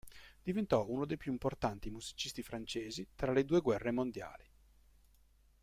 Diventò uno dei più importanti musicisti francesi tra le due guerre mondiali.